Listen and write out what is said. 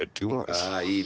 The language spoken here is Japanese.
あいいね。